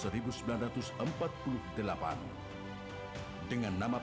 dengan nama pekan olahraga nasional pori menunjukkan kekecewaan yang berbeda